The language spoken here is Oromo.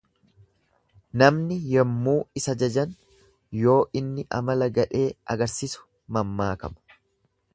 Namni yemmuu isa jajan, yoo inni amala gadhee argisisu mammaakama.